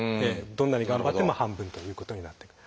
どんなに頑張っても半分ということになって。